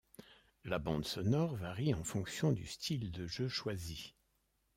La bande sonore varie en fonction du style de jeu choisi.